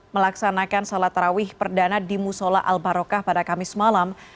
melaksanakan salat tarawih perdana di musola al barokah pada kamis malam